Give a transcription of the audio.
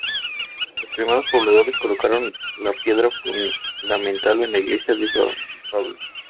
Los primeros pobladores colocaron la piedra fundamental en la Iglesia de San Pablo.